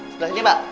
sebelah sini pak